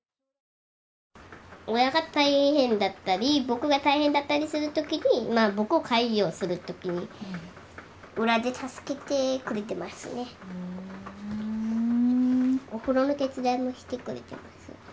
僕が大変だったりする時に僕を介助する時に裏で助けてくれてますねふんお風呂の手伝いもしてくれてます